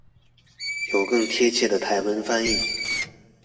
有更適切的台文翻譯